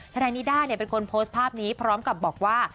นายนิด้าเป็นคนโพสต์ภาพนี้พร้อมกับบอกว่า